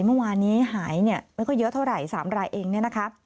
เมื่อวานนี้หายไม่ค่อยเยอะเท่าไหร่๓รายเองเนี่ยนะคะ